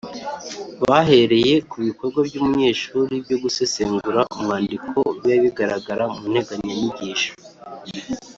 bahereye ku bikorwa by’umunyeshuri byo gusesengura umwandiko biba bigaragara mu nteganyanyigisho